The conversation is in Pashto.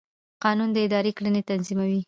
قانون د ادارې کړنې تنظیموي.